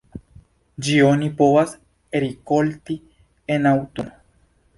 Ĝin oni povas rikolti en aŭtuno.